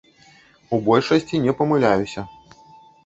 У большасці не памыляюся.